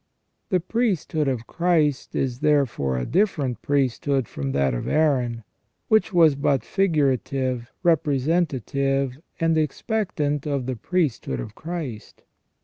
The priesthood of Christ is therefore a different priesthood from that of Aaron, which was but figurative, representative, and expectant of the priesthood of Christ.